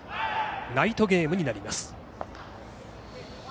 ナイトゲームになります。